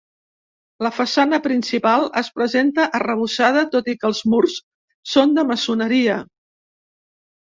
La façana principal es presenta arrebossada tot i que els murs són de maçoneria.